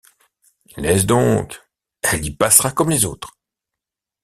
Laisse donc, elle y passera comme les autres !